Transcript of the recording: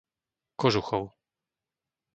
Kožuchov